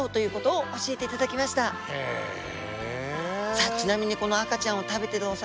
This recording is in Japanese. さあちなみにこの赤ちゃんを食べてるお魚。